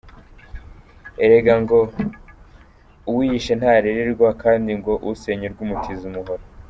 Erega ngo « Uwiyishe ntaririrwa » ,kandi ngo « Usenya urwe umutiza umuhoro ».